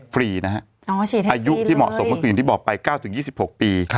ฟรีนะฮะอ๋อฉีดให้ฟรีเลยอายุที่เหมาะสมกับผู้หญิงที่บอกไปเก้าถึงยี่สิบหกปี